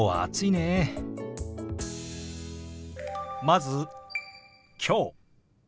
まず「きょう」。